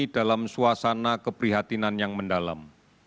dalam suasana keprihatinan yang mendalam